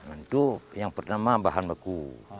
untuk yang pertama bahan baku